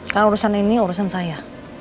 karena urusan ini urusan saya